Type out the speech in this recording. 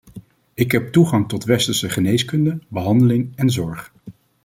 Ik heb toegang tot westerse geneeskunde, behandeling en zorg.